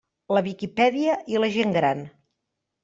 La Viquipèdia i la gent gran.